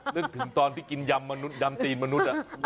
นึกถึงตอนที่กินยำตีนมนุษย์